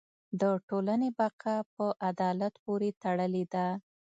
د ټولنې بقاء په عدالت پورې تړلې ده.